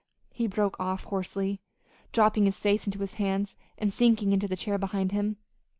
he broke off hoarsely, dropping his face into his hands, and sinking into the chair behind him.